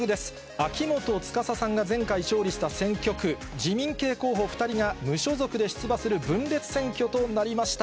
秋元司さんが前回勝利した選挙区、自民系候補２人が無所属で出馬する分裂選挙となりました。